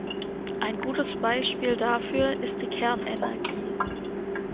Ein gutes Beispiel dafür ist die Kernenergie.